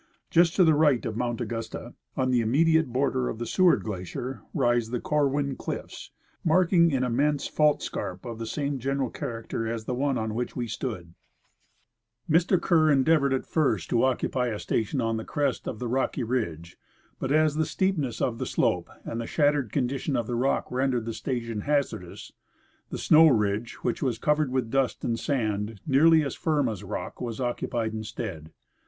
Just to the right of Mount Augusta, on the immediate border of the ScAA^ard glacier, rise the Corwin cliffs, marking an immense fault scarp of the same general character as the one on Avhich we stood. On Pinnacle Pass Cliffs. 141 Mr. Ken* endeavored at first to occupy a station on the crest of the rocky ridge, but as the steepness of the slope and the shattered condition of the rock rendered the station hazardous, the snow ridge, wjhich was covered with dust and sand and nearly as firm as rock, was occupied instead.